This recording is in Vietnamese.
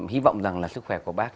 hy vọng là sức khỏe của bác